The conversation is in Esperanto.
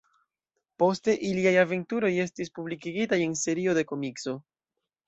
Poste iliaj aventuroj estis publikigitaj en serio de komikso.